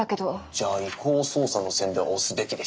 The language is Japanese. じゃあ違法捜査の線で押すべきでしょ。